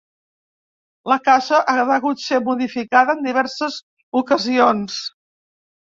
La casa ha degut ser modificada en diverses ocasions.